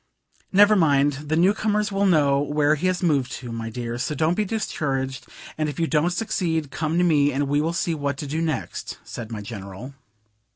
"Never mind; the new comers will know where he has moved to, my dear, so don't be discouraged; and if you don't succeed, come to me, and we will see what to do next," said my General.